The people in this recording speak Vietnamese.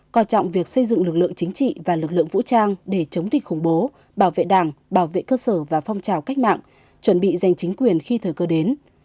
coi trọng việc xây dựng lực lượng chính trị và lực lượng vũ trang để chống địch khủng bố bảo vệ đảng bảo vệ cơ sở và phong trào cách mạng chuẩn bị giành chính quyền khi thời cơ đến